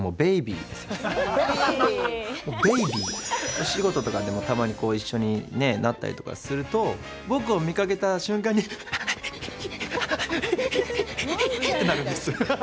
お仕事とかでもたまに一緒になったりとかすると僕を見かけた瞬間にてなるんです。